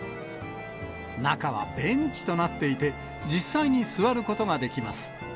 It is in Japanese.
中はベンチとなっていて、実際に座ることができます。